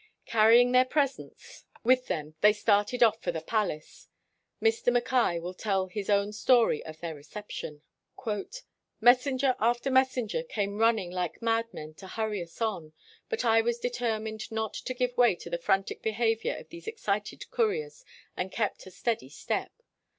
Carrying their presents 85 WHITE MAN OF WORK with them they started off for the palace. Mr. Mackay will tell his own story of their reception. "Messenger after messenger came run ning like madmen to hurry us on, but I was determined not to give way to the frantic behavior of these excited couriers, and kept a steady step.